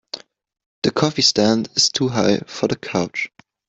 The coffee stand is too high for the couch.